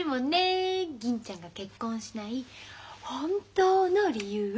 銀ちゃんが結婚しない本当の理由。